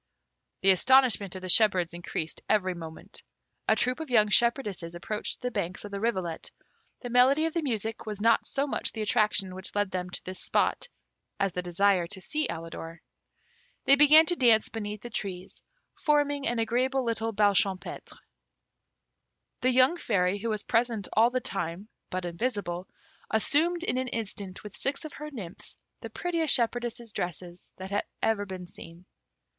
The astonishment of the shepherds increased every moment. A troop of young shepherdesses approached the banks of the rivulet. The melody of the music was not so much the attraction which led them to this spot, as the desire to see Alidor. They began to dance beneath the trees, forming an agreeable little bal champêtre. The young Fairy, who was present all the time, but invisible, assumed in an instant, with six of her nymphs, the prettiest shepherdesses' dresses that had ever been seen.